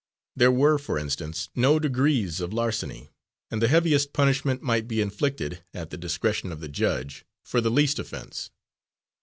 There were, for instance, no degrees of larceny, and the heaviest punishment might be inflicted, at the discretion of the judge, for the least offense.